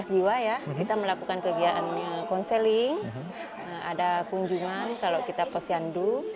kejiwaan kita melakukan kejayaan konseling ada kunjungan kalau kita posyandu